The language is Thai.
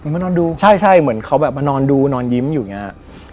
มานอนดูใช่ใช่เหมือนเขาแบบมานอนดูนอนยิ้มอยู่อย่างเงี้ย